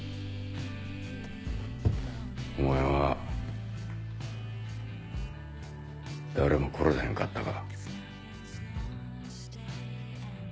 お前は誰も殺さへんかったか？